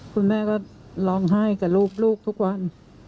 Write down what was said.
คุณแม่ก็ร้องไห้กับลูกทุกวัน